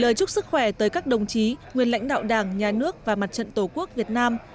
lời chúc sức khỏe tới các đồng chí nguyên lãnh đạo đảng nhà nước và mặt trận tổ quốc việt nam